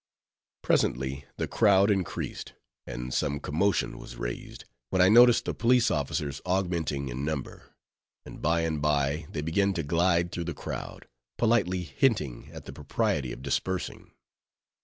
Presently the crowd increased, and some commotion was raised, when I noticed the police officers augmenting in number; and by and by, they began to glide through the crowd, politely hinting at the propriety of dispersing.